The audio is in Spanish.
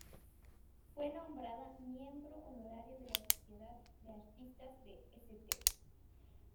Fue nombrada miembro honorario de la Sociedad de Artistas de St.